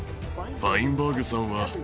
ファインバーグさんは。